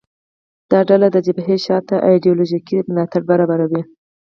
دا ډله د جبهې شا ته ایدیالوژیکي ملاتړ برابروي